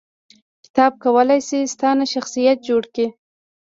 کتاب کولای شي ستا نه شخصیت جوړ کړي